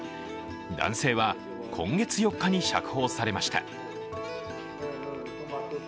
男性は今月４日に釈放されました。